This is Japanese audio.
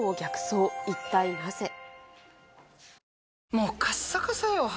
もうカッサカサよ肌。